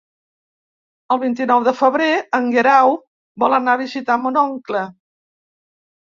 El vint-i-nou de febrer en Guerau vol anar a visitar mon oncle.